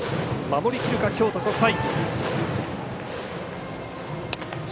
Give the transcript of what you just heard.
守りきるか、京都国際。